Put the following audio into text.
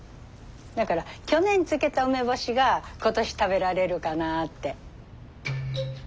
だから去年漬けた梅干しが今年食べられるかなって。